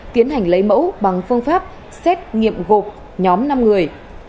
tiến hành lấy mẫu bằng phương pháp xét nghiệm gộp nhóm năm người